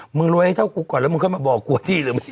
มึงรวยให้เท่ากูก่อนแล้วมึงเข้ามาบอกกูที่หรือมึง